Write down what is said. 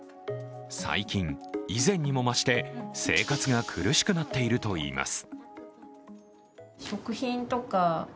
最近、以前にも増して生活が苦しくなっているといいます。